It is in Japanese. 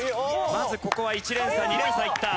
まずここは１連鎖２連鎖いった。